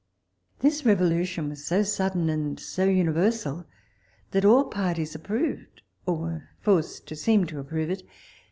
This revolution was so sudden and so universal, that all parties approved, or were forced to seem to approve it.